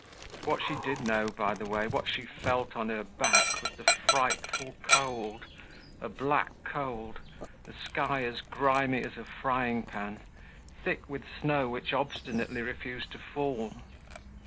What did she know, by the way, what she felt on her back, was the frightful cold, a black cold, the sky as grimy as a frying pan, thick with snow which obstinately refused to fall.